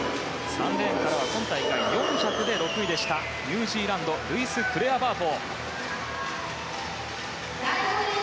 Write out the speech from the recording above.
３レーンからは今大会４００ｍで６位でしたニュージーランドルイス・クレアバート。